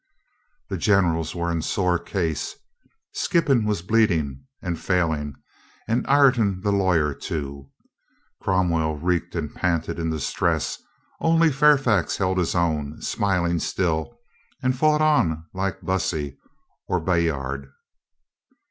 The generals were in sore case. Skippon was 376 ' COLONEL GREATHEART bleeding ^nd failing and Ireton the lawyer, too; Cromwell reeked and panted in the stress; only Fairfax held his own, smiling still, and fought on like Bussy or Bayard.